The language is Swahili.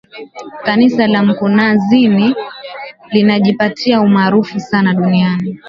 Kanisa la mkunazini limejipatia umaarufu sana Duniani